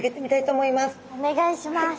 お願いします。